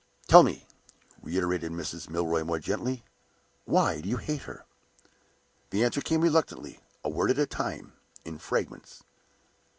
"Tell me," reiterated Mrs. Milroy, more gently, "why do you hate her?" The answer came reluctantly, a word at a time, in fragments.